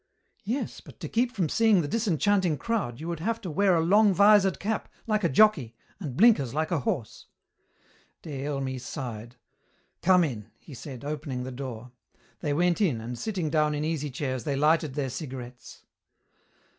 "Yes, but to keep from seeing the disenchanting crowd you would have to wear a long vizored cap like a jockey and blinkers like a horse." Des Hermies sighed. "Come in," he said, opening the door. They went in and sitting down in easy chairs they lighted their cigarettes.